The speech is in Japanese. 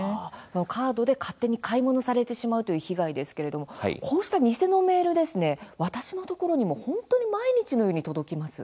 カードで勝手に買い物されてしまうという被害ですけれどもこうした偽のメール私のところにも本当に毎日のように届きます。